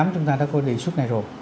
chúng ta đã có đề xuất này rồi